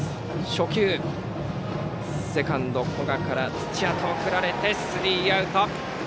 初球、セカンド、古賀から土屋へ送られてスリーアウト。